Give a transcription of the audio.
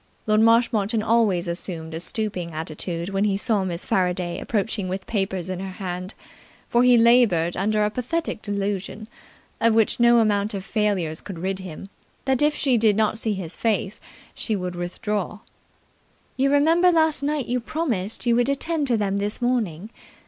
Lord Marshmoreton always assumed a stooping attitude when he saw Miss Faraday approaching with papers in her hand; for he laboured under a pathetic delusion, of which no amount of failures could rid him, that if she did not see his face she would withdraw. "You remember last night you promised you would attend to them this morning."